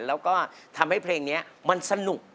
แล้วก็ทำให้เพลงนี้มันสนุก